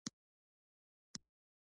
څوک پوهیږي چې هغه کله راځي